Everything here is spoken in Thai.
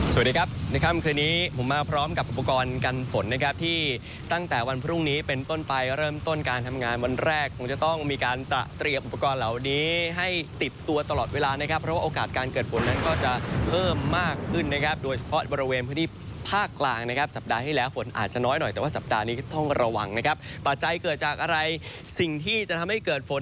สวัสดีครับในค่ำคืนนี้ผมมาพร้อมกับอุปกรณ์กันฝนนะครับที่ตั้งแต่วันพรุ่งนี้เป็นต้นไปเริ่มต้นการทำงานวันแรกคงจะต้องมีการตะเตรียบอุปกรณ์เหล่านี้ให้ติดตัวตลอดเวลานะครับเพราะว่าโอกาสการเกิดฝนนั้นก็จะเพิ่มมากขึ้นนะครับโดยเฉพาะบริเวณพื้นที่ภาคกลางนะครับสัปดาห์ที่แล้วฝนอ